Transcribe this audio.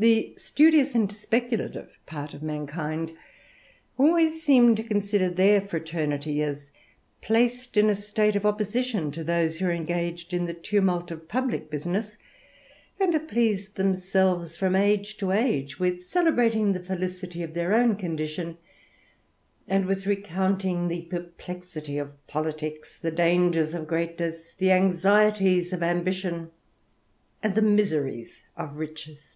The studious and speculative part of mankind alway seem to consider their fraternity as placed in a state c opposition to those who are engaged in the tumult C publick business ; and have pleased themselves, from ag to age, with celebrating the felicity of their own condition and with recounting the perplexity of politicks, the danger of greatness, the anxieties of ambition, and the miseries o riches.